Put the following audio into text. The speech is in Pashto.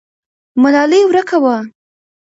ملالۍ ورکه وه.